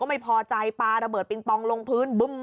ไม่พอใจปลาระเบิดปิงปองลงพื้นบึ้ม